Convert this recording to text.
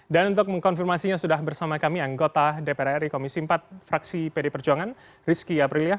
dan untuk mengkonfirmasinya sudah bersama kami anggota dpr ri komisi empat fraksi pd perjuangan rizky aprilia